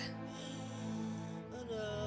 aduh umi gak mau